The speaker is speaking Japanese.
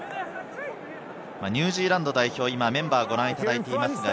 ニュージーランド代表のメンバーをご覧いただいています。